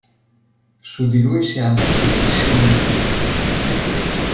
Su di lui si hanno pochissime notizie.